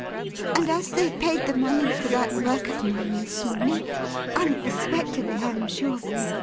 And as they paid the money for that work of mine this morning (unexpectedly, I am sure!)